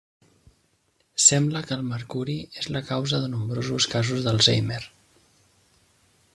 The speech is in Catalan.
Sembla que el mercuri és la causa de nombrosos casos d'Alzheimer.